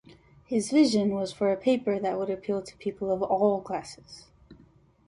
His vision was for a paper that would appeal to people of all classes.